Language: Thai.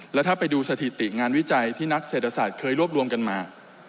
แล้วถ้าไปดูสถิติงานวิจัยที่นักเศรษฐศาสตร์เคยรวบรวมกันมา